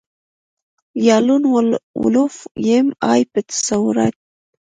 یا لون وولف ایم آی پي تصورات